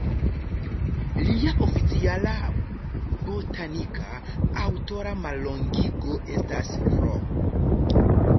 Lia oficiala botanika aŭtora mallongigo estas "R.